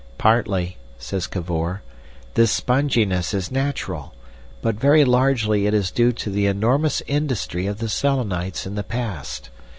"Partly," says Cavor, "this sponginess is natural, but very largely it is due to the enormous industry of the Selenites in the past.